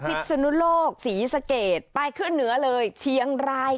ศนุโลกศรีสะเกดไปขึ้นเหนือเลยเชียงราย